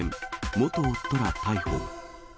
元夫ら逮捕。